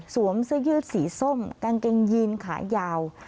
เสื้อยืดสีส้มกางเกงยีนขายาว